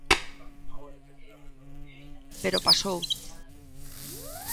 Pero pasou.